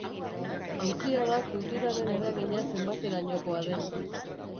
Auzia da kulturaren eragina zenbaterainokoa den.